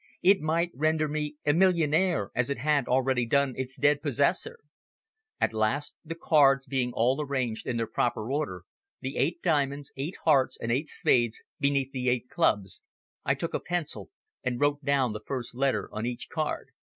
It might render me a millionaire as it had already done its dead possessor! At last the cards being all arranged in their proper order, the eight diamonds, eight hearts and eight spades beneath the eight clubs, I took a pencil and wrote down the first letter on each card.